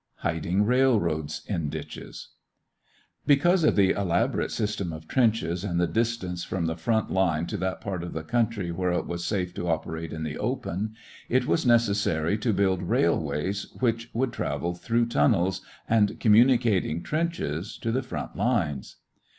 HIDING RAILROADS IN DITCHES Because of the elaborate system of trenches, and the distance from the front line to that part of the country where it was safe to operate in the open, it was necessary to build railways which would travel through tunnels and communicating trenches to the front lines.